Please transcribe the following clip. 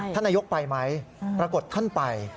ท่านนายกไปไหมปรากฏท่านไป